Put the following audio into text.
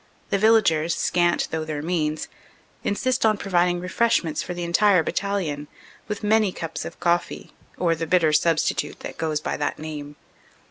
The villagers, scant though their means, insist on providing refreshments for the entire battalion, with many cups of coffee or the bitter substitute that goes by that name.